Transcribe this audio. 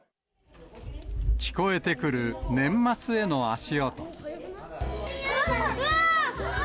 聞こえてくる年末への足音。